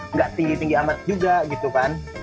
nggak tinggi tinggi amat juga gitu kan